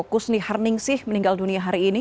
kusni harning sih meninggal dunia hari ini